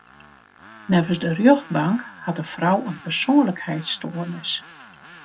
Neffens de rjochtbank hat de frou in persoanlikheidsstoarnis.